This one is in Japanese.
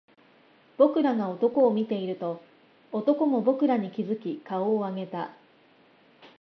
僕らが男を見ていると、男も僕らに気付き顔を上げた